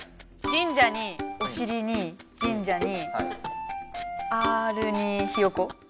神社におしりに神社にアールにひよこ？。